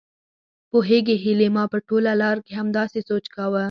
پوهېږې هيلې ما په ټوله لار کې همداسې سوچ کاوه.